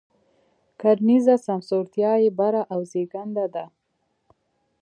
کرنیزه سمسورتیا یې بره او زېږنده ده.